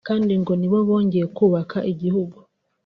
kandi ngo nibo bongeye kubaka iki gihugu